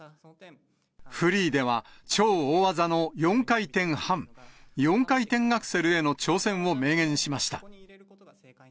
フリーでは、超大技の４回転半・４回転アクセルへの挑戦を明言しました。